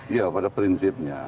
iya pada prinsipnya